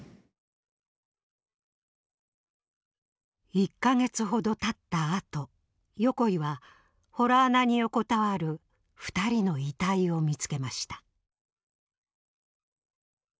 １か月ほどたったあと横井は洞穴に横たわる２人の遺体を見つけました。